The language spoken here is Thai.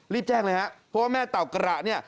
แจ้งเลยครับเพราะว่าแม่เต่ากระเนี่ย